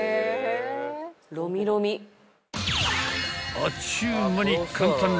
［あっちゅう間に］